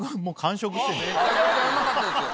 めちゃめちゃうまかったですよ。